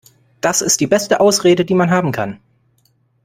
Das ist die beste Ausrede, die man haben kann.